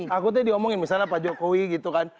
takutnya diomongin misalnya pak jokowi gitu kan